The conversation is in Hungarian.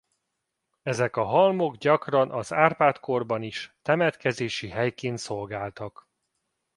Ezek a halmok gyakran az Árpád-korban is temetkezési helyként szolgáltak.